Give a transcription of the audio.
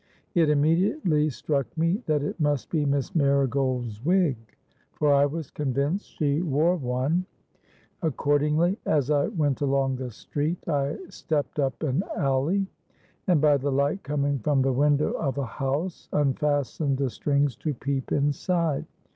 It immediately struck me that it must be Miss Marigold's wig: for I was convinced she wore one. Accordingly, as I went along the street, I stepped up an alley; and by the light coming from the window of a house, unfastened the strings to peep inside.